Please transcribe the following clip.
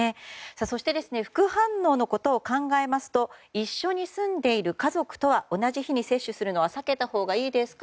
そして副反応のことを考えますと一緒に住んでいる家族とは同じ日に接種するのは避けたほうがいいですか？